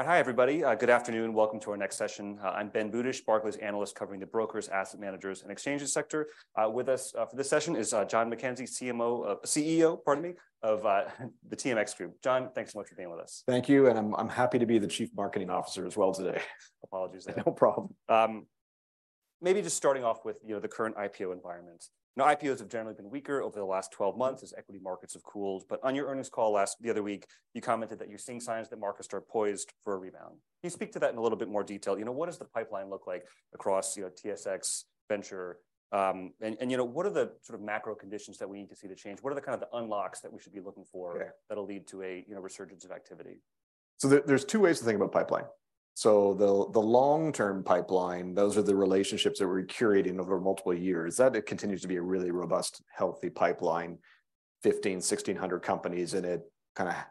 All right. Hi, everybody. Good afternoon. Welcome to our next session. I'm Ben Budish, Barclays analyst covering the brokers, asset managers, and exchanges sector. With us for this session is John McKenzie, CMO, CEO, pardon me, of the TMX Group. John, thanks so much for being with us. Thank you. I'm happy to be the chief marketing officer as well today. Apologies there. No problem. Maybe just starting off with, you know, the current IPO environment. Now, IPOs have generally been weaker over the last 12 months as equity markets have cooled. On your earnings call the other week, you commented that you're seeing signs that markets are poised for a rebound. Can you speak to that in a little bit more detail? You know, what does the pipeline look like across, you know, TSX Venture, and you know, what are the sort of macro conditions that we need to see to change? What are the kind of the unlocks that we should be looking for? Yeah... that'll lead to a, you know, resurgence of activity? There's two ways to think about pipeline. The long-term pipeline, those are the relationships that we're curating over multiple years. It continues to be a really robust, healthy pipeline. 1,500-1,600 companies in it, kinda,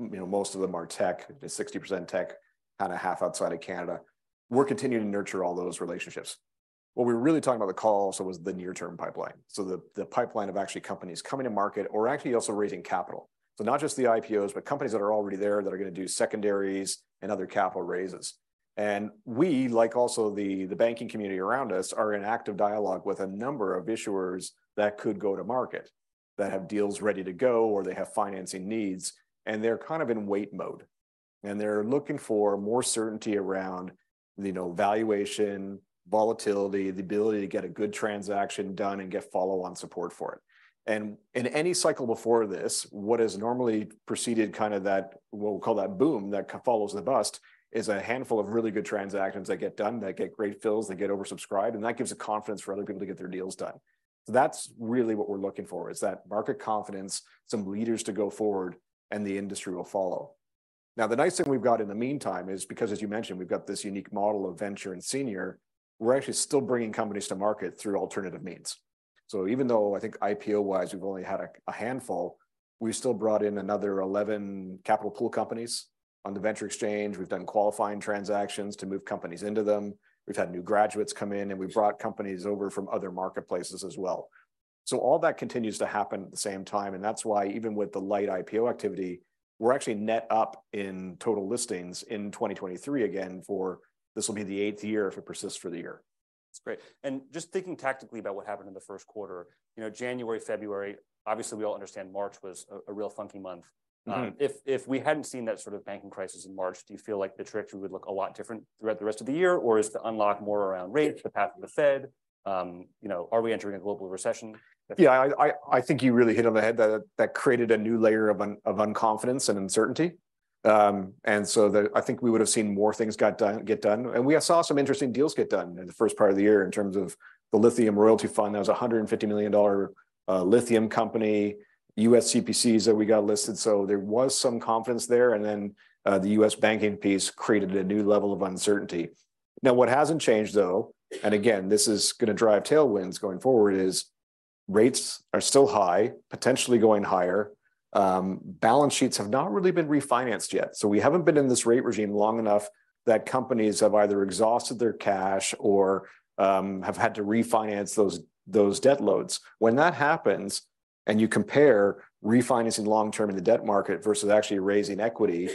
you know, most of them are tech. 60% tech, kinda half outside of Canada. We're continuing to nurture all those relationships. What we were really talking about on the call also was the near-term pipeline, the pipeline of actually companies coming to market or actually also raising capital. Not just the IPOs, but companies that are already there that are gonna do secondaries and other capital raises. We, like also the banking community around us, are in active dialogue with a number of issuers that could go to market, that have deals ready to go, or they have financing needs, and they're kind of in wait mode. They're looking for more certainty around, you know, valuation, volatility, the ability to get a good transaction done and get follow-on support for it. In any cycle before this, what has normally preceded kinda that, what we'll call that boom that follows the bust, is a handful of really good transactions that get done, that get great fills, that get oversubscribed, and that gives the confidence for other people to get their deals done. That's really what we're looking for, is that market confidence, some leaders to go forward, and the industry will follow. The nice thing we've got in the meantime is, because as you mentioned, we've got this unique model of venture and senior, we're actually still bringing companies to market through alternative means. Even though I think IPO-wise we've only had a handful, we've still brought in another 11 Capital Pool Companies on the TSX Venture Exchange. We've done Qualifying Transactions to move companies into them. We've had new graduates come in, and we've brought companies over from other marketplaces as well. All that continues to happen at the same time, and that's why even with the light IPO activity, we're actually net up in total listings in 2023 again. This will be the eighth year if it persists for the year. That's great. Just thinking tactically about what happened in the first quarter, you know, January, February, obviously we all understand March was a real funky month. Mm-hmm. If we hadn't seen that sort of banking crisis in March, do you feel like the trajectory would look a lot different throughout the rest of the year, or is the unlock more around rates, the path of the Fed? You know, are we entering a global recession? Yeah, I think you really hit it on the head. That created a new layer of unconfidence and uncertainty. I think we would've seen more things get done. We saw some interesting deals get done in the first part of the year in terms of the Lithium Royalty Fund. That was a $150 million lithium company, U.S. CPCs that we got listed, so there was some confidence there, the U.S. banking piece created a new level of uncertainty. What hasn't changed, though, this is gonna drive tailwinds going forward, is rates are still high, potentially going higher. Balance sheets have not really been refinanced yet, so we haven't been in this rate regime long enough that companies have either exhausted their cash or have had to refinance those debt loads. When that happens, you compare refinancing long term in the debt market versus actually raising equity,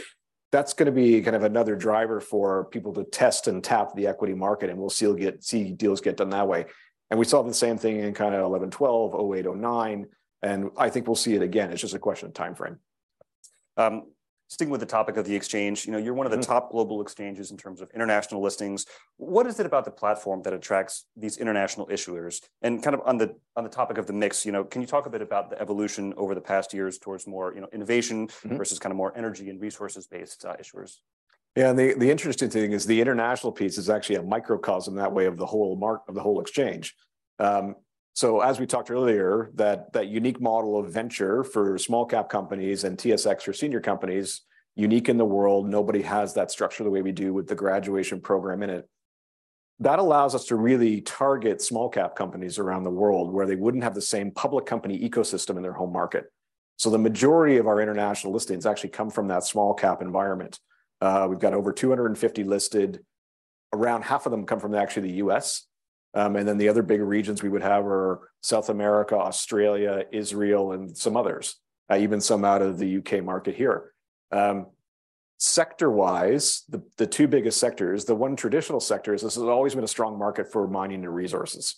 that's gonna be kind of another driver for people to test and tap the equity market, and we'll see deals get done that way. We saw the same thing in kinda 2011, 2012, 2008, 2009, and I think we'll see it again. It's just a question of timeframe. sticking with the topic of the exchange, you know. Mm-hmm... top global exchanges in terms of international listings. What is it about the platform that attracts these international issuers? Kind of on the, on the topic of the mix, you know, can you talk a bit about the evolution over the past years towards more, you know, innovation-? Mm-hmm... versus kinda more energy and resources-based issuers? The interesting thing is the international piece is actually a microcosm that way of the whole market of the whole exchange. As we talked earlier, that unique model of venture for small cap companies and TSX for senior companies, unique in the world. Nobody has that structure the way we do with the graduation program in it. That allows us to really target small cap companies around the world where they wouldn't have the same public company ecosystem in their home market. The majority of our international listings actually come from that small cap environment. We've got over 250 listed. Around half of them come from actually the U.S., the other big regions we would have are South America, Australia, Israel, and some others. Even some out of the U.K. market here. Sector-wise, the two biggest sectors, the one traditional sector is this has always been a strong market for mining and resources.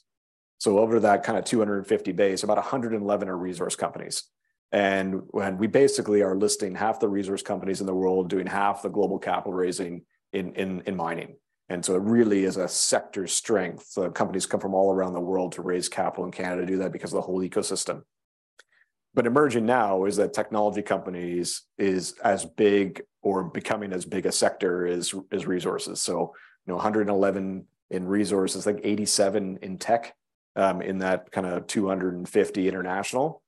Over that kinda 250 base, about 111 are resource companies. We basically are listing half the resource companies in the world doing half the global capital raising in mining. It really is a sector strength. Companies come from all around the world to raise capital in Canada, do that because of the whole ecosystem. Emerging now is that technology companies is as big or becoming as big a sector as resources. You know, 111 in resources, like 87 in tech, in that kinda 250 international.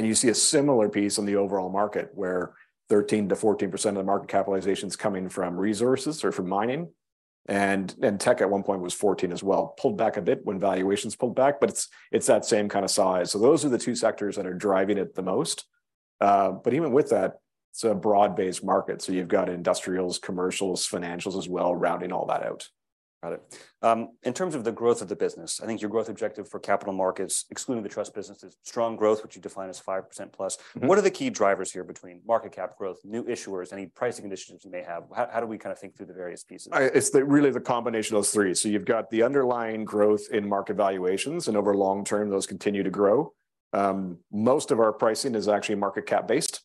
You see a similar piece on the overall market where 13%-14% of the market capitalization's coming from resources or from mining, and tech at one point was 14 as well. Pulled back a bit when valuations pulled back, but it's that same kinda size. Those are the two sectors that are driving it the most. Even with that, it's a broad-based market. You've got industrials, commercials, financials as well rounding all that out. Got it. In terms of the growth of the business, I think your growth objective for capital markets, excluding the trust business, is strong growth, which you define as 5% plus. Mm-hmm. What are the key drivers here between market cap growth, new issuers, any pricing conditions you may have? How do we kind of think through the various pieces? It's really the combination of those three. You've got the underlying growth in market valuations, and over long term, those continue to grow. Most of our pricing is actually market cap based,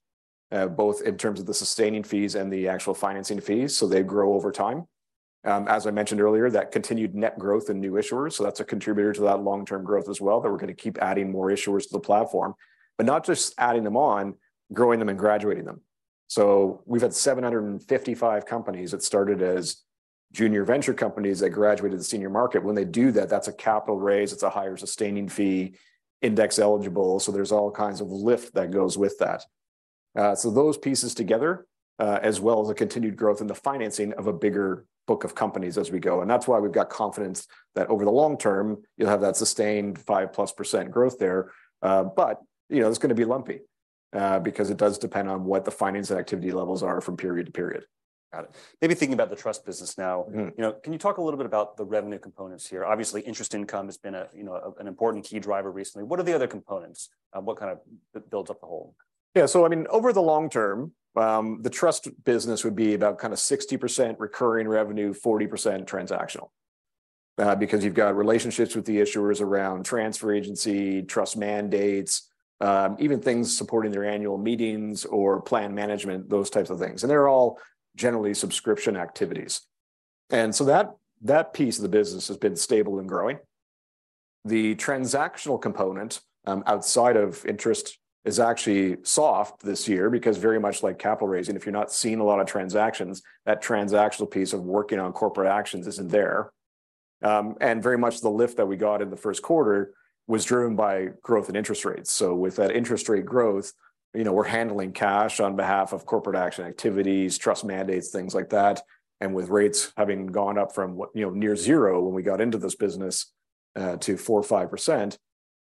both in terms of the sustaining fees and the actual financing fees, so they grow over time. As I mentioned earlier, that continued net growth in new issuers, so that's a contributor to that long-term growth as well, that we're gonna keep adding more issuers to the platform. Not just adding them on, growing them and graduating them. We've had 755 companies that started as junior Venture companies that graduated the senior market. When they do that's a capital raise, it's a higher sustaining fee, index eligible, so there's all kinds of lift that goes with that. Those pieces together, as well as the continued growth in the financing of a bigger book of companies as we go, and that's why we've got confidence that over the long term you'll have that sustained 5%+ growth there. You know it's gonna be lumpy, because it does depend on what the financing activity levels are from period to period. Got it. Maybe thinking about the trust business now. Mm-hmm. You know, can you talk a little bit about the revenue components here? Obviously, interest income has been an important key driver recently. What are the other components? What kind of builds up the whole? Yeah. I mean, over the long term, the trust business would be about kind of 60% recurring revenue, 40% transactional, because you've got relationships with the issuers around transfer agency, trust mandates, even things supporting their annual meetings or plan management, those types of things, and they're all generally subscription activities. That piece of the business has been stable and growing. The transactional component, outside of interest is actually soft this year because very much like capital raising, if you're not seeing a lot of transactions, that transactional piece of working on corporate actions isn't there. Very much the lift that we got in the first quarter was driven by growth and interest rates. With that interest rate growth, you know, we're handling cash on behalf of corporate action activities, trust mandates, things like that. With rates having gone up from what, you know, near zero when we got into this business, to 4% or 5%,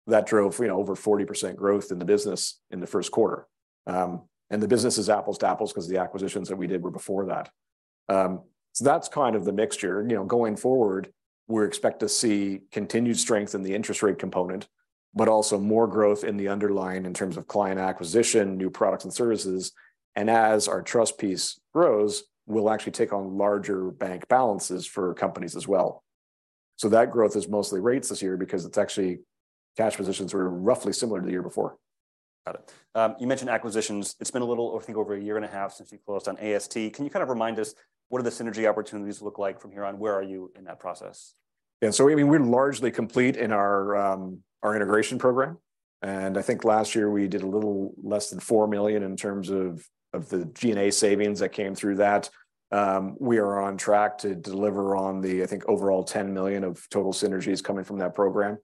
that drove, you know, over 40% growth in the business in the first quarter. The business is apples to apples 'cause the acquisitions that we did were before that. That's kind of the mixture. You know, going forward, we're expect to see continued strength in the interest rate component, but also more growth in the underlying in terms of client acquisition, new products and services. As our trust piece grows, we'll actually take on larger bank balances for companies as well. That growth is mostly rates this year because it's actually cash positions were roughly similar to the year before. Got it. You mentioned acquisitions. It's been a little, I think, over a year and a half since you closed on AST. Can you kind of remind us what are the synergy opportunities look like from here on? Where are you in that process? I mean, we're largely complete in our integration program, and I think last year we did a little less than 4 million in terms of the G&A savings that came through that. We are on track to deliver on the, I think, overall 10 million of total synergies coming from that program.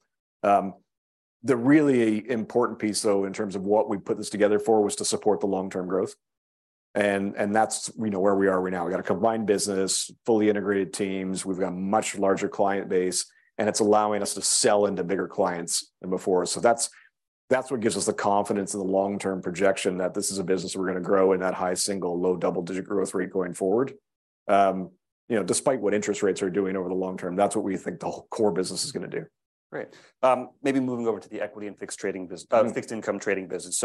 The really important piece though in terms of what we put this together for was to support the long-term growth, and that's, you know, where we are right now. We got a combined business, fully integrated teams, we've got a much larger client base, and it's allowing us to sell into bigger clients than before. That's what gives us the confidence in the long-term projection that this is a business we're gonna grow in that high single, low double-digit growth rate going forward. You know, despite what interest rates are doing over the long term, that's what we think the whole core business is gonna do. Great. Maybe moving over to the equity and fixed income trading business.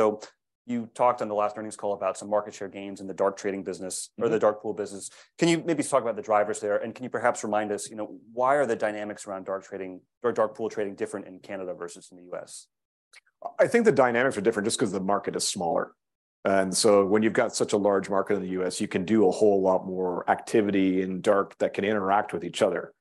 You talked on the last earnings call about some market share gains in the dark trading business or the dark pool business. Can you maybe talk about the drivers there, and can you perhaps remind us, you know, why are the dynamics around dark trading or dark pool trading different in Canada versus in the U.S.? I think the dynamics are different just 'cause the market is smaller. When you've got such a large market in the U.S., you can do a whole lot more activity in dark that can interact with each other.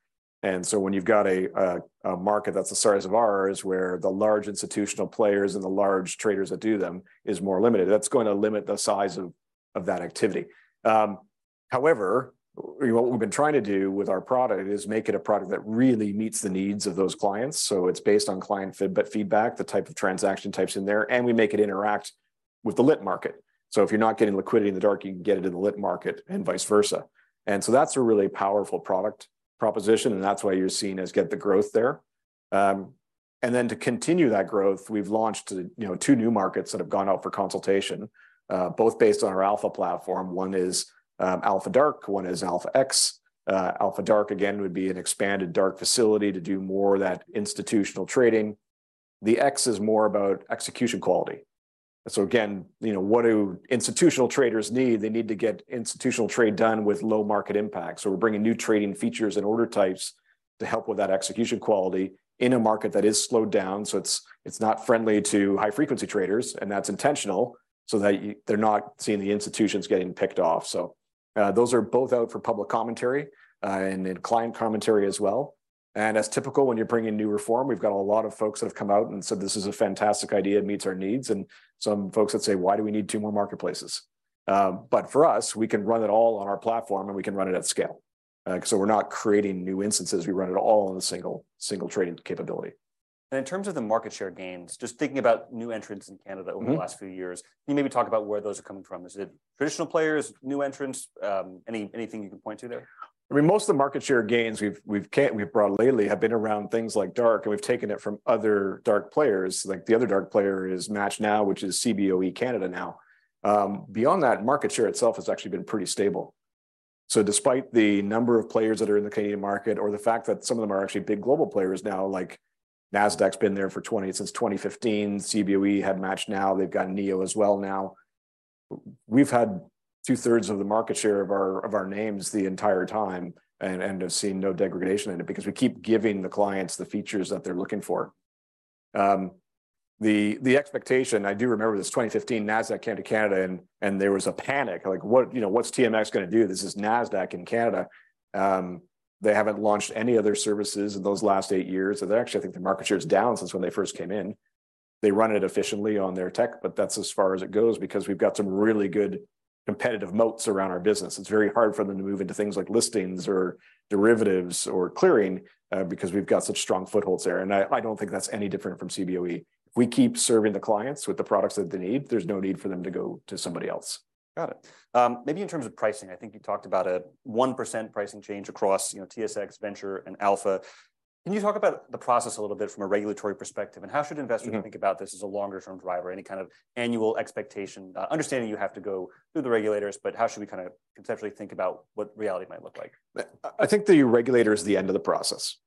When you've got a market that's the size of ours, where the large institutional players and the large traders that do them is more limited, that's gonna limit the size of that activity. However, what we've been trying to do with our product is make it a product that really meets the needs of those clients. It's based on client feedback, the type of transaction types in there, and we make it interact with the lit market. If you're not getting liquidity in the dark, you can get it in the lit market, and vice versa. That's a really powerful product proposition, and that's why you're seeing us get the growth there. Then to continue that growth, we've launched, you know, two new markets that have gone out for consultation, both based on our Alpha platform. One is Alpha DRK, one is Alpha-X. Alpha DRK, again, would be an expanded dark facility to do more of that institutional trading. The X is more about execution quality. Again, you know, what do institutional traders need? They need to get institutional trade done with low market impact, so we're bringing new trading features and order types to help with that execution quality in a market that is slowed down, so it's not friendly to high-frequency traders, and that's intentional, so that they're not seeing the institutions getting picked off. Those are both out for public commentary, and in client commentary as well. As typical, when you're bringing new reform, we've got a lot of folks that have come out and said, "This is a fantastic idea. It meets our needs," and some folks that say, "Why do we need two more marketplaces?" For us, we can run it all on our platform, and we can run it at scale. We're not creating new instances. We run it all in a single trading capability. In terms of the market share gains, just thinking about new entrants in Canada over the last few years, can you maybe talk about where those are coming from? Is it traditional players, new entrants? anything you can point to there? I mean, most of the market share gains we've brought lately have been around things like dark, and we've taken it from other dark players. Like, the other dark player is Match Now, which is Cboe Canada now. Beyond that, market share itself has actually been pretty stable. Despite the number of players that are in the Canadian market or the fact that some of them are actually big global players now, like Nasdaq's been there since 2015, Cboe had Match Now, they've got NEO as well now. We've had 2/3 of the market share of our names the entire time and have seen no degradation in it because we keep giving the clients the features that they're looking for. The expectation I do remember this 2015 Nasdaq came to Canada and there was a panic like, what, you know, what's TMX gonna do? This is Nasdaq in Canada. They haven't launched any other services in those last eight years. They actually, I think their market share is down since when they first came in. They run it efficiently on their tech, but that's as far as it goes because we've got some really good competitive moats around our business. It's very hard for them to move into things like listings or derivatives or clearing, because we've got such strong footholds there, and I don't think that's any different from Cboe. We keep serving the clients with the products that they need. There's no need for them to go to somebody else. Got it. Maybe in terms of pricing, I think you talked about a 1% pricing change across, you know, TSX Venture and Alpha. Can you talk about the process a little bit from a regulatory perspective, and how should investors- Mm-hmm... think about this as a longer-term driver, any kind of annual expectation, understanding you have to go through the regulators, but how should we kinda conceptually think about what reality might look like? I think the regulator is the end of the process.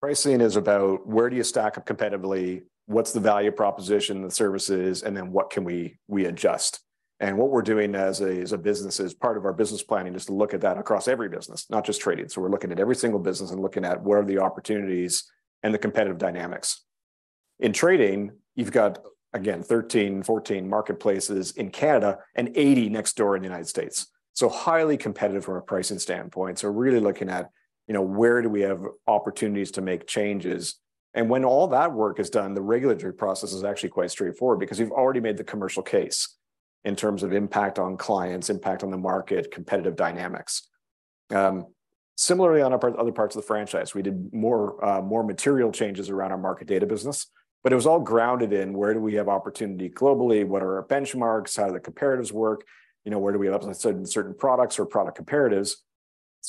Pricing is about where do you stack up competitively, what's the value proposition, the services, and then what can we adjust. What we're doing as a business, as part of our business planning, is to look at that across every business, not just trading. We're looking at every single business and looking at what are the opportunities and the competitive dynamics. In trading, you've got, again, 13, 14 marketplaces in Canada and 80 next door in the United States, so highly competitive from a pricing standpoint. We're really looking at, you know, where do we have opportunities to make changes. When all that work is done, the regulatory process is actually quite straightforward because we've already made the commercial case in terms of impact on clients, impact on the market, competitive dynamics. Similarly on other parts of the franchise, we did more material changes around our market data business, it was all grounded in where do we have opportunity globally, what are our benchmarks, how do the comparatives work, you know, where do we overlap certain products or product comparatives.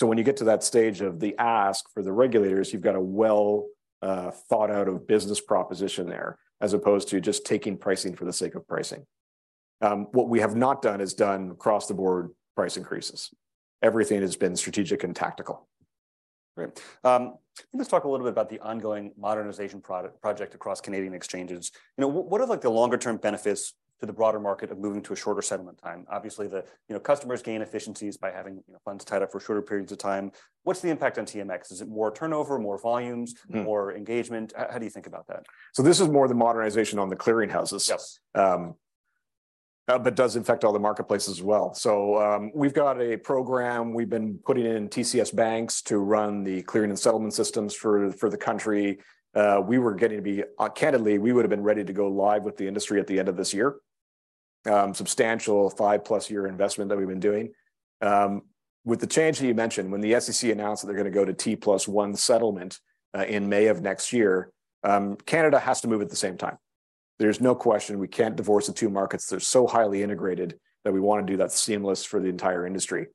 When you get to that stage of the ask for the regulators, you've got a well thought out of business proposition there, as opposed to just taking pricing for the sake of pricing. What we have not done is done across the board price increases. Everything has been strategic and tactical. Great. Let's talk a little bit about the ongoing modernization project across Canadian exchanges. You know, what are like the longer term benefits to the broader market of moving to a shorter settlement time? Obviously, you know, customers gain efficiencies by having, you know, funds tied up for shorter periods of time. What's the impact on TMX? Is it more turnover, more volumes? Mm-hmm... more engagement? How do you think about that? This is more the modernization on the clearing houses. Yes. Does affect all the marketplaces as well. We've got a program, we've been putting in TCS BaNCS to run the clearing and settlement systems for the country. Candidly, we would have been ready to go live with the industry at the end of this year. Substantial 5+ year investment that we've been doing. With the change that you mentioned, when the SEC announced that they're gonna go to T+1 settlement in May of next year, Canada has to move at the same time. There's no question we can't divorce the two markets. They're so highly integrated that we wanna do that seamless for the entire industry.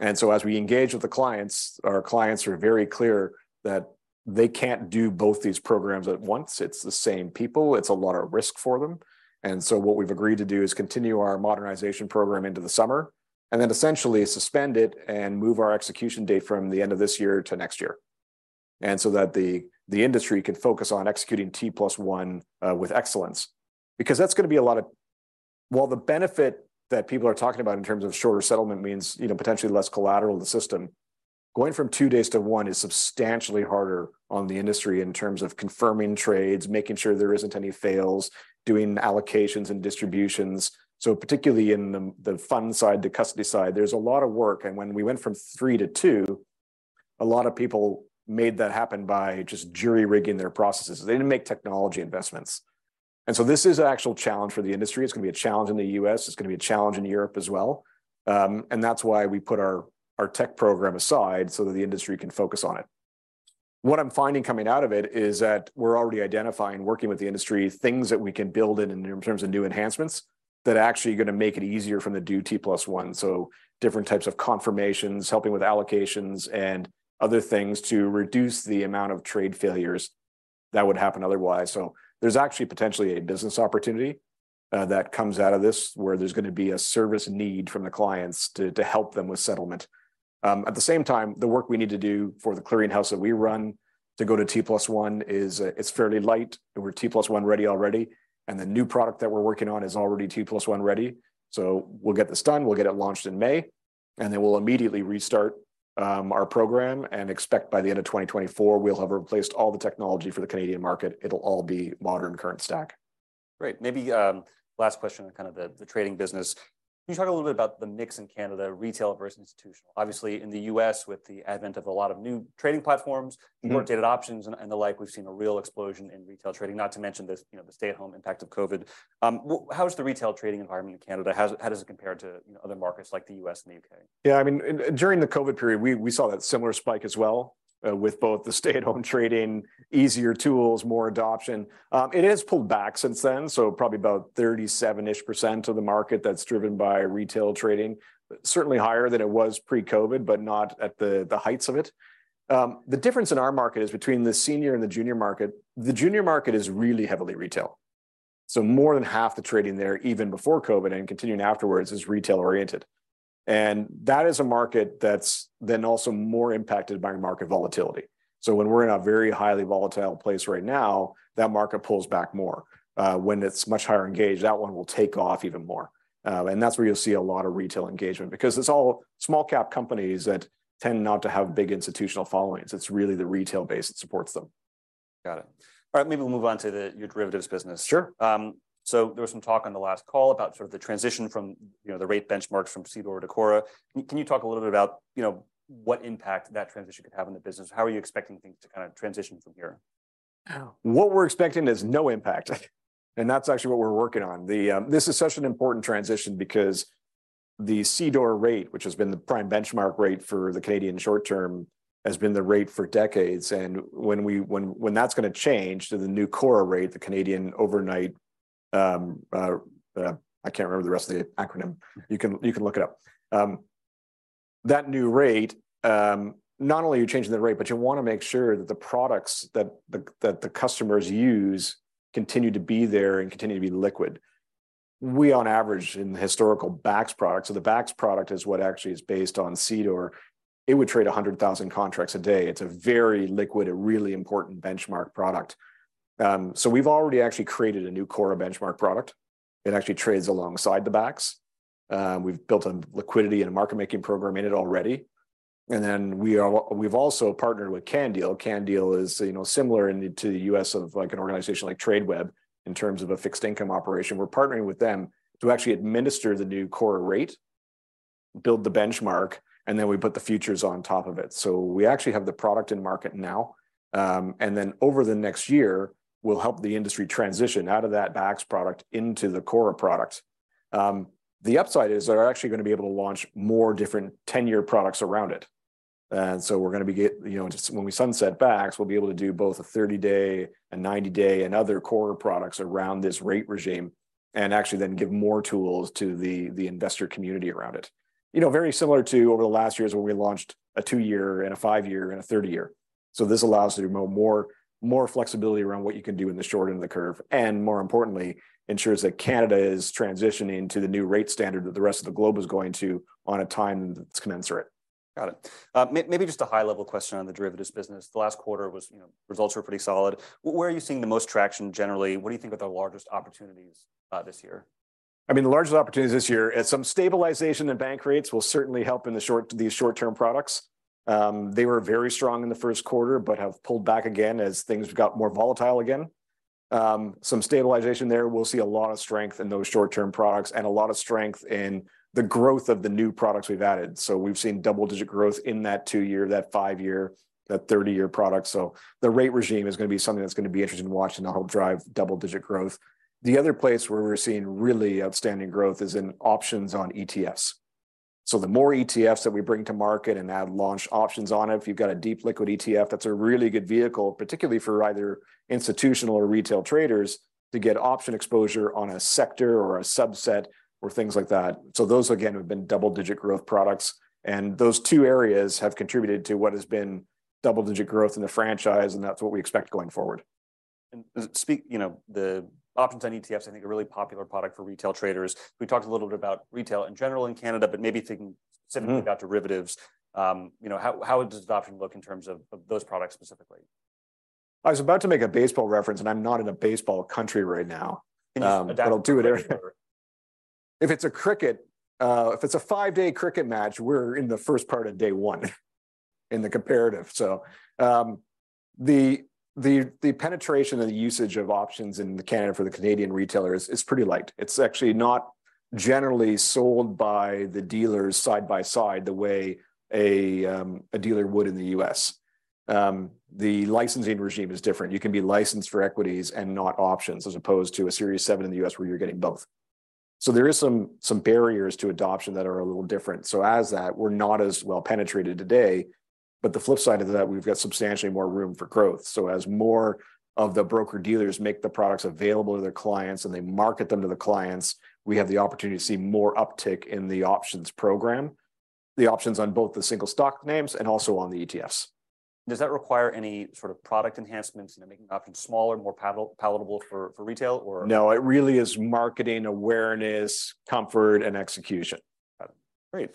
As we engage with the clients, our clients are very clear that they can't do both these programs at once. It's the same people, it's a lot of risk for them. what we've agreed to do is continue our modernization program into the summer, and then essentially suspend it and move our execution date from the end of this year to next year. that the industry can focus on executing T+1 with excellence, because While the benefit that people are talking about in terms of shorter settlement means, you know, potentially less collateral in the system, going from two days to one is substantially harder on the industry in terms of confirming trades, making sure there isn't any fails, doing allocations and distributions. Particularly in the fund side, the custody side, there's a lot of work, and when we went from three to two, a lot of people made that happen by just jury-rigging their processes. They didn't make technology investments. This is an actual challenge for the industry. It's gonna be a challenge in the U.S., it's gonna be a challenge in Europe as well. That's why we put our tech program aside so that the industry can focus on it. What I'm finding coming out of it is that we're already identifying working with the industry, things that we can build in terms of new enhancements that are actually gonna make it easier from the due T+1. Different types of confirmations, helping with allocations and other things to reduce the amount of trade failures that would happen otherwise. There's actually potentially a business opportunity, that comes out of this, where there's gonna be a service need from the clients to help them with settlement. At the same time, the work we need to do for the clearinghouse that we run to go to T+1 is, it's fairly light, and we're T+1 ready already, and the new product that we're working on is already T+1 ready. We'll get this done, we'll get it launched in May, and then we'll immediately restart our program and expect by the end of 2024, we'll have replaced all the technology for the Canadian market. It'll all be modern current stack. Great. Maybe, last question on kind of the trading business. Can you talk a little bit about the mix in Canada, retail versus institutional? Obviously, in the U.S., with the advent of a lot of new trading platforms. Mm-hmm... more dated options and the like, we've seen a real explosion in retail trading, not to mention the, you know, the stay-at-home impact of COVID. How is the retail trading environment in Canada? How does it compare to, you know, other markets like the U.S. and the U.K.? Yeah, I mean, during the COVID period, we saw that similar spike as well, with both the stay-at-home trading, easier tools, more adoption. It has pulled back since then, so probably about 37-ish% of the market that's driven by retail trading. Certainly higher than it was pre-COVID, but not at the heights of it. The difference in our market is between the senior and the junior market. The junior market is really heavily retail. So more than half the trading there, even before COVID and continuing afterwards, is retail-oriented. That is a market that's then also more impacted by market volatility. When we're in a very highly volatile place right now, that market pulls back more. When it's much higher engaged, that one will take off even more. That's where you'll see a lot of retail engagement, because it's all small cap companies that tend not to have big institutional followings. It's really the retail base that supports them. Got it. All right, maybe we'll move on to the, your derivatives business. Sure. There was some talk on the last call about sort of the transition from, you know, the rate benchmarks from CDOR to CORRA. Can you talk a little bit about, you know, what impact that transition could have on the business? How are you expecting things to kind of transition from here? What we're expecting is no impact. That's actually what we're working on. The this is such an important transition because the CDOR rate, which has been the prime benchmark rate for the Canadian short term, has been the rate for decades, and when that's gonna change to the new CORRA rate, the Canadian Overnight, I can't remember the rest of the acronym. You can look it up. That new rate, not only are you changing the rate, but you wanna make sure that the products that the customers use continue to be there and continue to be liquid. We, on average in the historical BAX product, so the BAX product is what actually is based on CDOR. It would trade 100,000 contracts a day. It's a very liquid and really important benchmark product. We've already actually created a new CORRA benchmark product. It actually trades alongside the BAX. We've built a liquidity and a market-making program in it already. We've also partnered with CanDeal. CanDeal is, you know, similar in, to the U.S. of like an organization like Tradeweb in terms of a fixed income operation. We're partnering with them to actually administer the new CORRA rate, build the benchmark, and then we put the futures on top of it. We actually have the product in market now, over the next year we'll help the industry transition out of that BAX product into the CORRA product. The upside is they're actually gonna be able to launch more different 10-year products around it. We're gonna be, you know, when we sunset BAX, we'll be able to do both a 30-day, a 90-day, and other CORRA products around this rate regime, and actually then give more tools to the investor community around it. You know, very similar to over the last years where we launched a two-year and a five-year and a 30-year. This allows for more, more, more flexibility around what you can do in the short end of the curve, and more importantly, ensures that Canada is transitioning to the new rate standard that the rest of the globe is going to on a time that's commensurate. Got it. Maybe just a high level question on the derivatives business. The last quarter was, you know, results were pretty solid. Where are you seeing the most traction generally? What do you think are the largest opportunities, this year? I mean, the largest opportunities this year, some stabilization in bank rates will certainly help in these short-term products. They were very strong in the first quarter, have pulled back again as things got more volatile again. Some stabilization there. We'll see a lot of strength in those short-term products and a lot of strength in the growth of the new products we've added. We've seen double-digit growth in that two-year, that five-year, that 30-year product. The rate regime is gonna be something that's gonna be interesting watching that help drive double-digit growth. The other place where we're seeing really outstanding growth is in options on ETFs. The more ETFs that we bring to market and add launch options on it, if you've got a deep liquid ETF, that's a really good vehicle, particularly for either institutional or retail traders, to get option exposure on a sector or a subset or things like that. Those, again, have been double-digit growth products, and those two areas have contributed to what has been double-digit growth in the franchise, and that's what we expect going forward. Speak, you know, the options on ETFs, I think, are a really popular product for retail traders. We talked a little bit about retail in general in Canada. Mm-hmm... about derivatives, you know, how does adoption look in terms of those products specifically? I was about to make a baseball reference, and I'm not in a baseball country right now. I'll do it anyway. Any adaptable If it's a cricket, if it's a five-day cricket match, we're in the first part of day one in the comparative. The penetration and the usage of options in Canada for the Canadian retailer is pretty light. It's actually not generally sold by the dealers side by side the way a dealer would in the U.S.. The licensing regime is different. You can be licensed for equities and not options, as opposed to a Series 7 in the U.S. where you're getting both. There is some barriers to adoption that are a little different. As that, we're not as well penetrated today, but the flip side of that, we've got substantially more room for growth. As more of the broker-dealers make the products available to their clients and they market them to the clients, we have the opportunity to see more uptick in the options program, the options on both the single stock names and also on the ETFs. Does that require any sort of product enhancements, you know, making options smaller and more palatable for retail, or? No, it really is marketing, awareness, comfort, and execution. Got it. Great.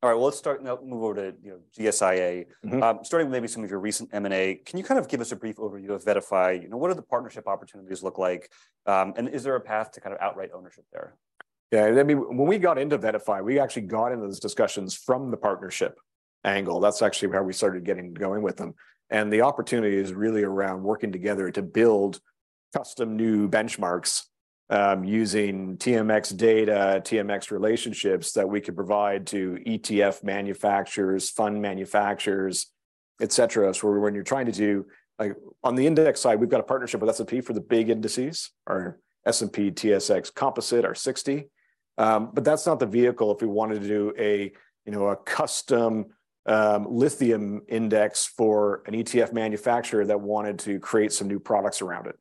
All right, well, let's start, now move over to, you know, GSIA. Mm-hmm. Starting with maybe some of your recent M&A, can you kind of give us a brief overview of VettaFi? You know, what do the partnership opportunities look like? Is there a path to kind of outright ownership there? Yeah, I mean, when we got into VettaFi, we actually got into those discussions from the partnership angle. That's actually where we started getting going with them. The opportunity is really around working together to build custom new benchmarks, using TMX data, TMX relationships that we could provide to ETF manufacturers, fund manufacturers, et cetera. When you're trying to do, like on the index side, we've got a partnership with S&P for the big indices- Mm-hmm... our S&P/TSX Composite, our 60. That's not the vehicle if we wanted to do a, you know, a custom, lithium index for an ETF manufacturer that wanted to create some new products around it.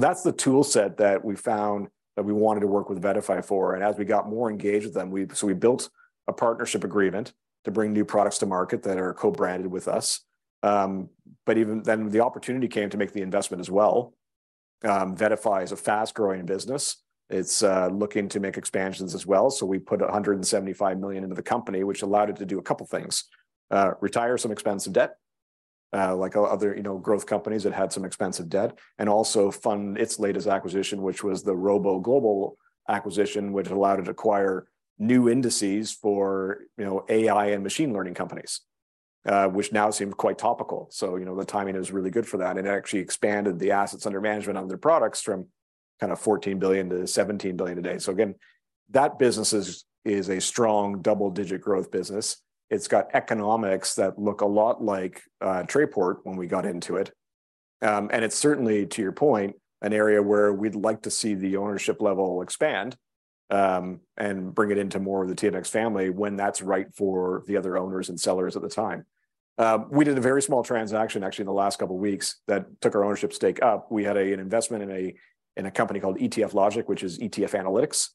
That's the tool set that we found that we wanted to work with VettaFi for. As we got more engaged with them, we, so we built a partnership agreement to bring new products to market that are co-branded with us. Even then the opportunity came to make the investment as well. VettaFi is a fast-growing business. It's, looking to make expansions as well, so we put $175 million into the company, which allowed it to do a couple things. Retire some expensive debt, like other, you know, growth companies that had some expensive debt, and also fund its latest acquisition, which was the RoboGlobal acquisition, which allowed it acquire new indices for, you know, AI and machine learning companies, which now seem quite topical. You know, the timing is really good for that, and it actually expanded the assets under management on their products from kinda $14 billion to $17 billion today. Again, that business is a strong double-digit growth business. It's got economics that look a lot like Trayport when we got into it. And it's certainly, to your point, an area where we'd like to see the ownership level expand, and bring it into more of the TMX family when that's right for the other owners and sellers at the time. We did a very small transaction actually in the last couple weeks that took our ownership stake up. We had an investment in a company called ETFLogic, which is ETF Analytics.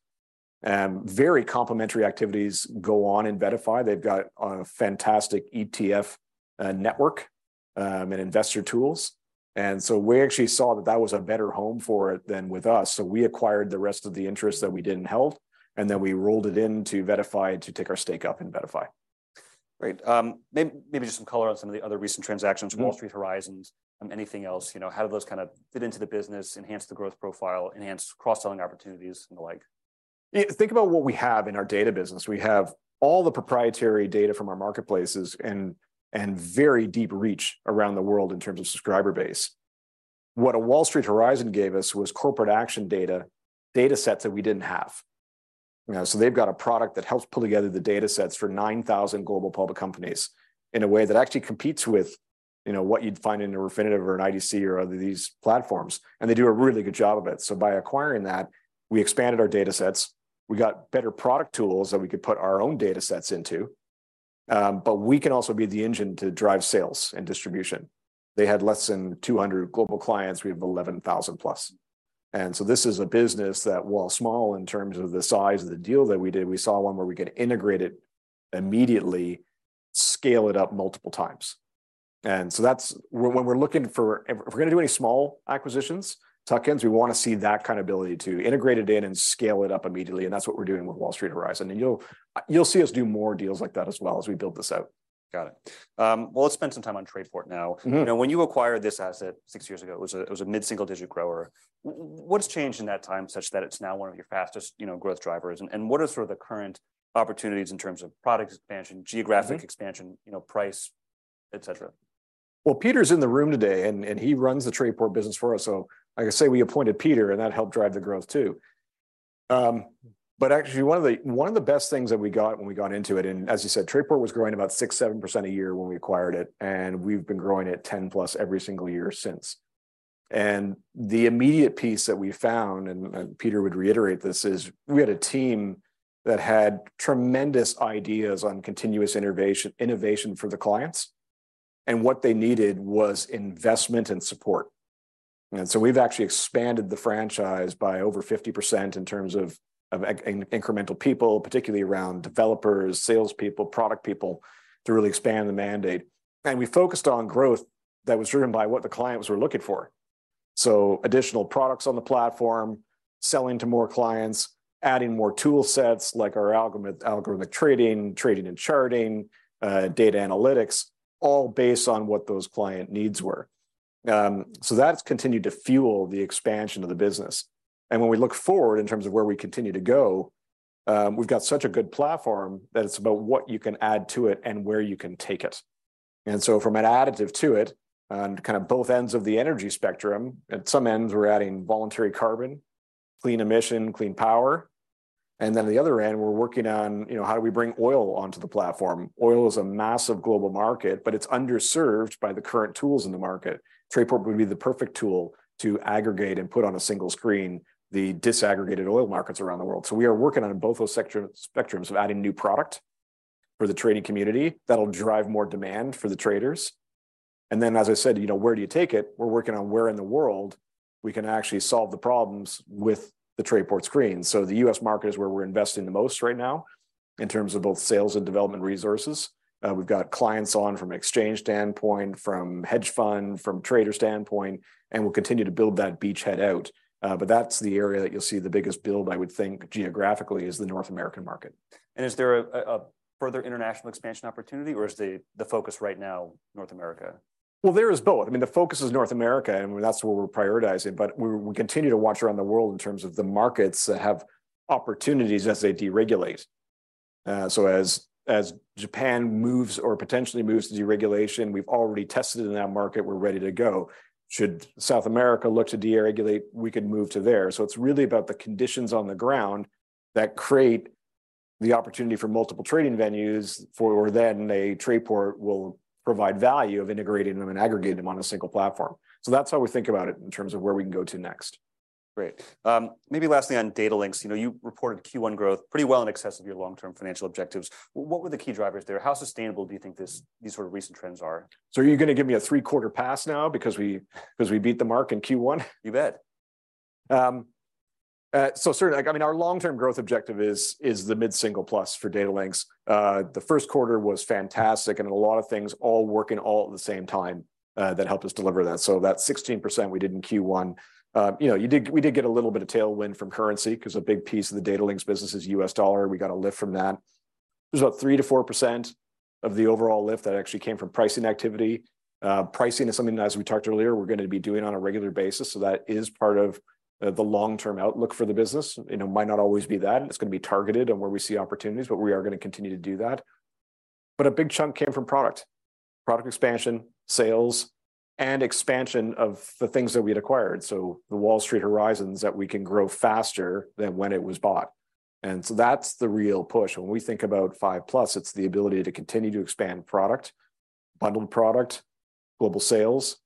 Very complimentary activities go on in VettaFi. They've got a fantastic ETF network and investor tools. We actually saw that that was a better home for it than with us, so we acquired the rest of the interests that we didn't hold, we rolled it into VettaFi to take our stake up in VettaFi. Great. Maybe just some color on some of the other recent transactions. Mm-hmm. Wall Street Horizon, anything else. You know, how do those kinda fit into the business, enhance the growth profile, enhance cross-selling opportunities and the like? Yeah, think about what we have in our data business. We have all the proprietary data from our marketplaces and very deep reach around the world in terms of subscriber base. What a Wall Street Horizon gave us was corporate action data sets that we didn't have. You know, they've got a product that helps pull together the data sets for 9,000 global public companies in a way that actually competes with, you know, what you'd find in a Refinitiv or an IDC or other these platforms. They do a really good job of it. By acquiring that, we expanded our data sets, we got better product tools that we could put our own data sets into, but we can also be the engine to drive sales and distribution. They had less than 200 global clients. We have 11,000+. This is a business that, while small in terms of the size of the deal that we did, we saw one where we could integrate it immediately, scale it up multiple times. That's when we're looking for, if we're gonna do any small acquisitions, tuck-ins, we wanna see that kind of ability to integrate it in and scale it up immediately, and that's what we're doing with Wall Street Horizon, and you'll see us do more deals like that as well as we build this out. Got it. Well, let's spend some time on Trayport now. Mm-hmm. You know, when you acquired this asset six years ago, it was a mid-single digit grower. What's changed in that time such that it's now one of your fastest, you know, growth drivers? What are sort of the current opportunities in terms of product expansion, geographic-. Mm-hmm. expansion, you know, price, et cetera? Well, Peter's in the room today, he runs the Trayport business for us, like I say, we appointed Peter, that helped drive the growth too. Actually, one of the best things that we got when we got into it, as you said, Trayport was growing about 6%-7% a year when we acquired it, we've been growing it 10+ every single year since. The immediate piece that we found, Peter would reiterate this, is we had a team that had tremendous ideas on continuous innovation for the clients, what they needed was investment and support. We've actually expanded the franchise by over 50% in terms of incremental people, particularly around developers, salespeople, product people to really expand the mandate. We focused on growth that was driven by what the clients were looking for. Additional products on the platform, selling to more clients, adding more tool sets like our algorithmic trading and charting, data analytics, all based on what those client needs were. That's continued to fuel the expansion of the business. When we look forward in terms of where we continue to go, we've got such a good platform that it's about what you can add to it and where you can take it. From an additive to it on kind of both ends of the energy spectrum, at some ends we're adding voluntary carbon, clean emission, clean power, and then on the other end we're working on, you know, how do we bring oil onto the platform? Oil is a massive global market. It's underserved by the current tools in the market. Trayport would be the perfect tool to aggregate and put on a single screen the disaggregated oil markets around the world. We are working on both those spectrums of adding new product for the trading community that'll drive more demand for the traders. As I said, you know, where do you take it? We're working on where in the world we can actually solve the problems with the Trayport screen. The U.S. market is where we're investing the most right now in terms of both sales and development resources. We've got clients on from exchange standpoint, from hedge fund, from trader standpoint, and we'll continue to build that beachhead out. That's the area that you'll see the biggest build, I would think, geographically is the North American market. Is there a further international expansion opportunity, or is the focus right now North America? There is both. I mean, the focus is North America, and that's where we're prioritizing, but we continue to watch around the world in terms of the markets that have opportunities as they deregulate. As Japan moves or potentially moves to deregulation, we've already tested in that market, we're ready to go. Should South America look to deregulate, we could move to there. It's really about the conditions on the ground that create the opportunity for multiple trading venues for then a Trayport will provide value of integrating them and aggregating them on a single platform. That's how we think about it in terms of where we can go to next. Great. maybe lastly on Datalinx. You know, you reported Q1 growth pretty well in excess of your long-term financial objectives. What were the key drivers there? How sustainable do you think these sort of recent trends are? Are you going to give me a three-quarter pass now because we beat the mark in Q1? You bet. Certainly, like, I mean, our long-term growth objective is the mid-single plus for Datalinx. The first quarter was fantastic, a lot of things all working all at the same time that helped us deliver that. That 16% we did in Q1, you know, we did get a little bit of tailwind from currency 'cause a big piece of the Datalinx business is U.S. dollar. We got a lift from that. There's about 3%-4% of the overall lift that actually came from pricing activity. Pricing is something that, as we talked earlier, we're gonna be doing on a regular basis, so that is part of the long-term outlook for the business. You know, it might not always be that, and it's gonna be targeted on where we see opportunities, but we are gonna continue to do that. A big chunk came from product expansion, sales, and expansion of the things that we'd acquired, so the Wall Street Horizon that we can grow faster than when it was bought. That's the real push. When we think about five plus, it's the ability to continue to expand product, bundle product, global sales,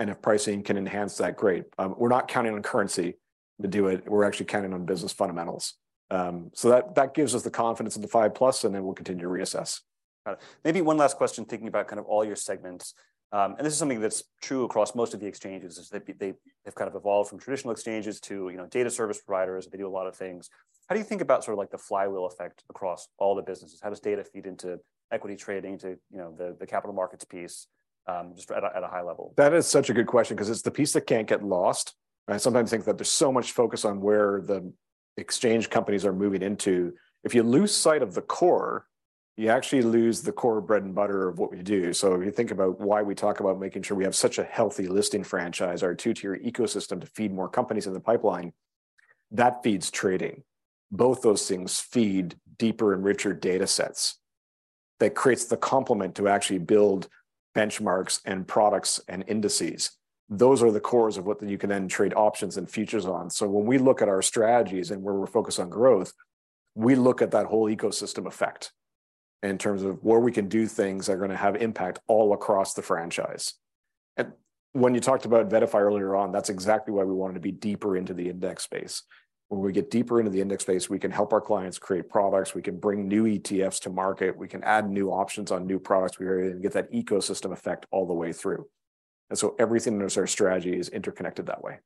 and if pricing can enhance that, great. We're not counting on currency to do it. We're actually counting on business fundamentals. That, that gives us the confidence of the five plus, and then we'll continue to reassess. Got it. Maybe one last question, thinking about kind of all your segments, and this is something that's true across most of the exchanges is that they have kind of evolved from traditional exchanges to, you know, data service providers. They do a lot of things. How do you think about sort of like the flywheel effect across all the businesses? How does data feed into equity trading to, you know, the capital markets piece, just at a, at a high level? That is such a good question 'cause it's the piece that can't get lost. I sometimes think that there's so much focus on where the exchange companies are moving into. If you lose sight of the core, you actually lose the core bread and butter of what we do. If you think about why we talk about making sure we have such a healthy listing franchise, our two-tier ecosystem to feed more companies in the pipeline, that feeds trading. Both those things feed deeper and richer data sets. That creates the complement to actually build benchmarks and products and indices. Those are the cores of what then you can then trade options and futures on. When we look at our strategies and where we're focused on growth, we look at that whole ecosystem effect in terms of where we can do things that are gonna have impact all across the franchise. When you talked about VettaFi earlier on, that's exactly why we wanted to be deeper into the index space. When we get deeper into the index space, we can help our clients create products, we can bring new ETFs to market, we can add new options on new products. We are able to get that ecosystem effect all the way through. Everything in our strategy is interconnected that way.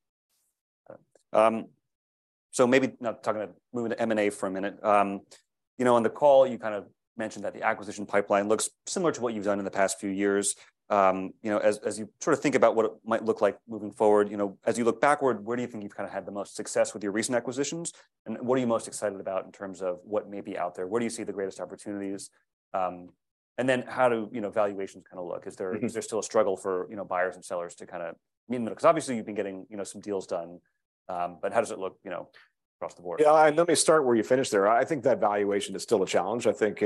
Okay. Maybe now talking about moving to M&A for a minute. You know, on the call, you kind of mentioned that the acquisition pipeline looks similar to what you've done in the past few years. You know, as you sort of think about what it might look like moving forward, you know, as you look backward, where do you think you've kind of had the most success with your recent acquisitions, and what are you most excited about in terms of what may be out there? Where do you see the greatest opportunities? Then how do, you know, valuations kind of look? Is there? Mm-hmm. Is there still a struggle for, you know, buyers and sellers to kind of meet in the middle? 'Cause obviously you've been getting, you know, some deals done, but how does it look, you know, across the board? Let me start where you finished there. I think that valuation is still a challenge. I think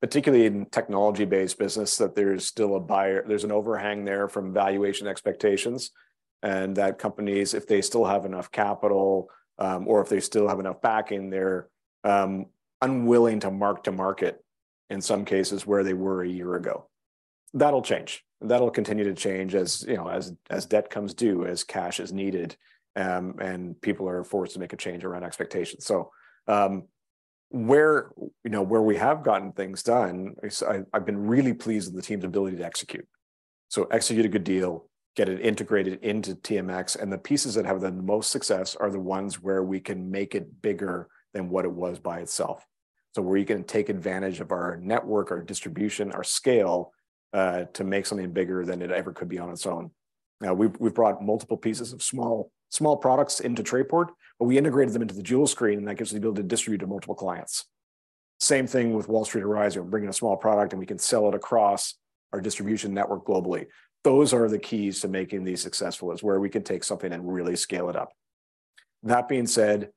particularly in technology-based business, that there's still an overhang there from valuation expectations and that companies, if they still have enough capital, or if they still have enough backing, they're unwilling to mark to market in some cases where they were a year ago. That'll change, and that'll continue to change as, you know, as debt comes due, as cash is needed, and people are forced to make a change around expectations. Where, you know, where we have gotten things done is I've been really pleased with the team's ability to execute. Execute a good deal, get it integrated into TMX, and the pieces that have the most success are the ones where we can make it bigger than what it was by itself. Where you can take advantage of our network, our distribution, our scale, to make something bigger than it ever could be on its own. We've brought multiple pieces of small products into TradePort, but we integrated them into the dual screen, and that gives the ability to distribute to multiple clients. Same thing with Wall Street Horizon. We're bringing a small product, and we can sell it across our distribution network globally. Those are the keys to making these successful is where we can take something and really scale it up. That being said,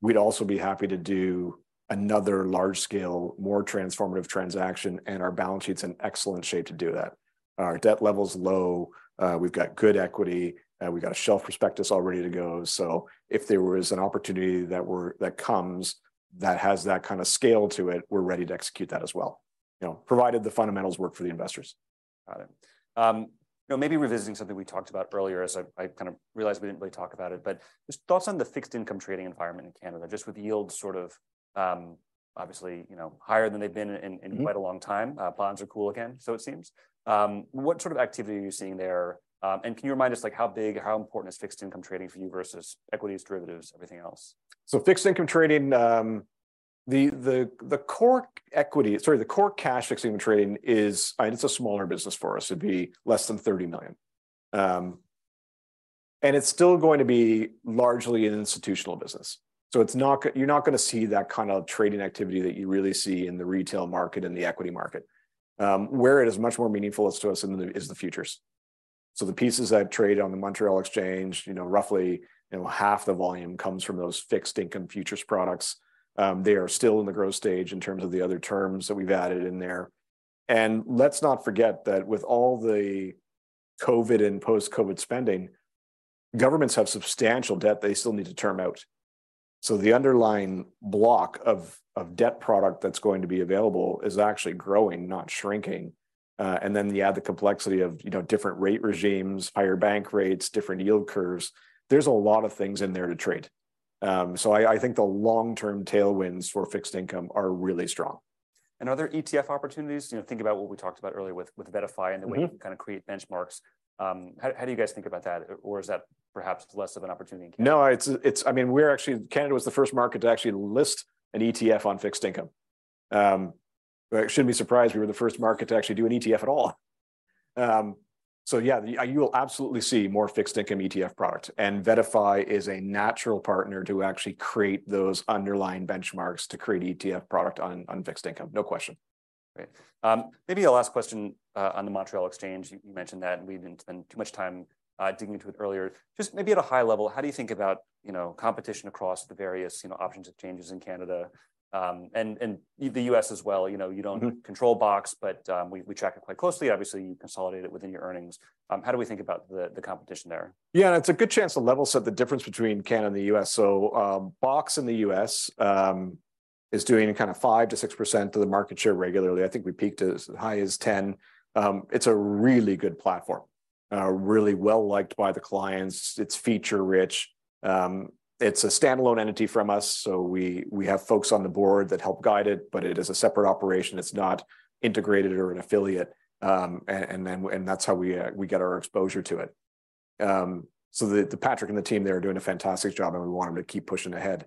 we'd also be happy to do another large-scale, more transformative transaction. Our balance sheet's in excellent shape to do that. Our debt level's low. We've got good equity. We got a shelf prospectus all ready to go. If there was an opportunity that comes that has that kind of scale to it, we're ready to execute that as well, you know, provided the fundamentals work for the investors. Got it. you know, maybe revisiting something we talked about earlier, as I kind of realized we didn't really talk about it, but just thoughts on the fixed income trading environment in Canada, just with yields sort of, obviously, you know, higher than they've been in. Mm-hmm. -quite a long time. bonds are cool again, so it seems. What sort of activity are you seeing there? Can you remind us, like, how big, how important is fixed income trading for you versus equities, derivatives, everything else? Fixed income trading, the core cash fixed income trading is, and it's a smaller business for us. It'd be less than 30 million. It's still going to be largely an institutional business. You're not gonna see that kind of trading activity that you really see in the retail market and the equity market. Where it is much more meaningful is to us is the futures. The pieces that trade on the Montréal Exchange, you know, roughly, you know, half the volume comes from those fixed income futures products. They are still in the growth stage in terms of the other terms that we've added in there. Let's not forget that with all the COVID and post-COVID spending, governments have substantial debt they still need to term out. The underlying block of debt product that's going to be available is actually growing, not shrinking. You add the complexity of, you know, different rate regimes, higher bank rates, different yield curves. There's a lot of things in there to trade. I think the long-term tailwinds for fixed income are really strong. other ETF opportunities, you know, think about what we talked about earlier with VettaFi. Mm-hmm... and the way you kind of create benchmarks. How do you guys think about that? Is that perhaps less of an opportunity in Canada? No, I mean, Canada was the first market to actually list an ETF on fixed income. We shouldn't be surprised we were the first market to actually do an ETF at all. Yeah, you will absolutely see more fixed income ETF products, and VettaFi is a natural partner to actually create those underlying benchmarks to create ETF product on fixed income. No question. Great. Maybe a last question on the Montréal Exchange. You mentioned that, and we didn't spend too much time digging into it earlier. Just maybe at a high level, how do you think about, you know, competition across the various, you know, options exchanges in Canada, and the U.S. as well? You know. Mm-hmm... control BOX, we track it quite closely. Obviously, you consolidate it within your earnings. How do we think about the competition there? Yeah. It's a good chance to level set the difference between Canada and the U.S. BOX in the U.S. is doing a kind of 5%-6% of the market share regularly. I think we peaked as high as 10. It's a really good platform, really well-liked by the clients. It's feature rich. It's a standalone entity from us, we have folks on the board that help guide it, but it is a separate operation. It's not integrated or an affiliate. That's how we get our exposure to it. Patrick and the team there are doing a fantastic job, and we want them to keep pushing ahead.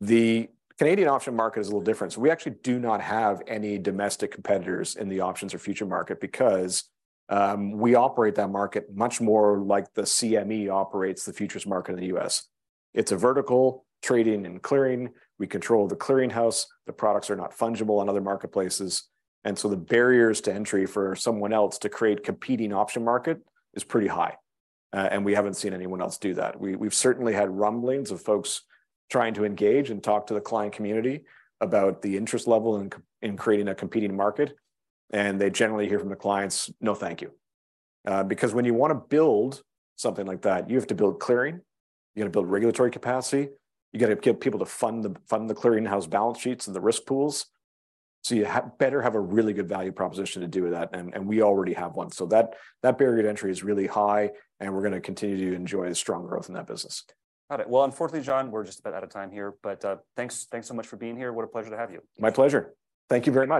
The Canadian option market is a little different. We actually do not have any domestic competitors in the options or future market because we operate that market much more like the CME operates the futures market in the U.S. It's a vertical trading and clearing. We control the clearing house. The products are not fungible in other marketplaces. The barriers to entry for someone else to create competing option market is pretty high. We haven't seen anyone else do that. We've certainly had rumblings of folks trying to engage and talk to the client community about the interest level in creating a competing market. They generally hear from the clients, "No, thank you." When you wanna build something like that, you have to build clearing. You gotta build regulatory capacity. You gotta get people to fund the clearing house balance sheets and the risk pools. You better have a really good value proposition to do that, and we already have one. That barrier to entry is really high, and we're gonna continue to enjoy the strong growth in that business. Got it. Well, unfortunately, John, we're just about out of time here. thanks so much for being here. What a pleasure to have you. My pleasure. Thank you very much.